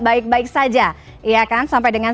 baik baik saja iya kan sampai dengan